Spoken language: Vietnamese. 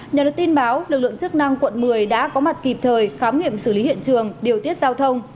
nhờ được tin báo lực lượng chức năng quận một mươi đã có mặt kịp thời khám nghiệm xử lý hiện trường điều tiết giao thông